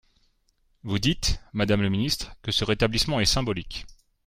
Vous dites, madame le ministre, que ce rétablissement est symbolique.